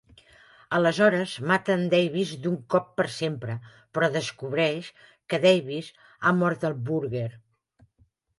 Aleshores mata en Davis d'un cop per sempre, però descobreix que en Davis ha mort en Burger.